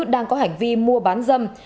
đang có hành vi mua bán dâm